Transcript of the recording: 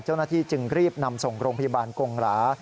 เจ้าหน้าที่จึงรีบนำส่งโรงพยาบาลกงหรา